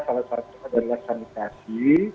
salah satu adalah sanitasi